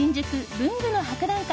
文具の博覧会